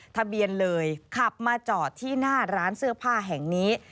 ทะเบียนเลยขับมาจอดที่หน้าร้านเสื้อผ้าแห่งนี้